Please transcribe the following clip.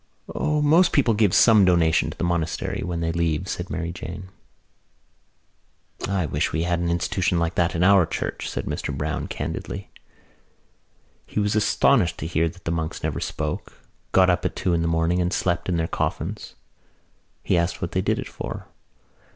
"O, most people give some donation to the monastery when they leave." said Mary Jane. "I wish we had an institution like that in our Church," said Mr Browne candidly. He was astonished to hear that the monks never spoke, got up at two in the morning and slept in their coffins. He asked what they did it for.